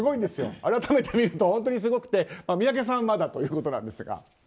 改めて見ると、本当にすごくて三宅さんはまだということですが。